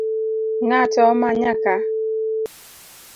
Ng’ato omanya kaa?